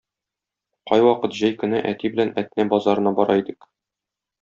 Кайвакыт җәй көне әти белән Әтнә базарына бара идек.